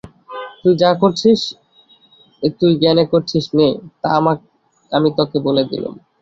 তুই যা করছিস এ তুই জ্ঞানে করছিস নে, তা আমি তোকে বলে দিলুম।